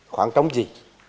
khoảng trống gì